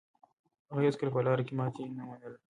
هغه هيڅکله په لاره کې ماتې نه منله.